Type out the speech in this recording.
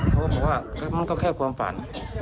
เขาบอกว่ามันก็แค่ความฝัน